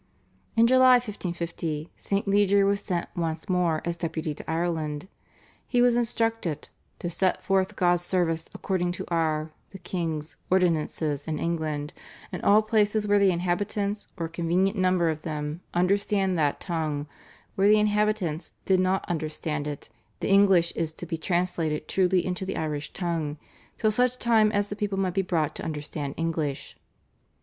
In July 1550 St. Leger was sent once more as Deputy to Ireland. He was instructed "to set forth God's service according to our (the king's) ordinances in English, in all places where the inhabitants, or a convenient number of them, understand that tongue; where the inhabitants did not understand it, the English is to be translated truly into the Irish tongue, till such time as the people might be brought to understand English."